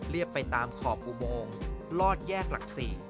ไปตามขอบอุโมงลอดแยกหลัก๔